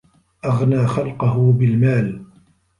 أَغْنَى خَلْقَهُ بِالْمَالِ